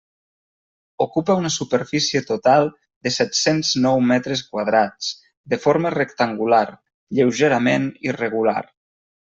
Ocupa una superfície total de set-cents nou metres quadrats, de forma rectangular, lleugerament irregular.